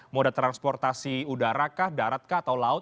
moda transportasi udara darat atau laut